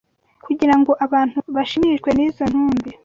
kugira ngo abantu bashimishwe n’izo ntumbi.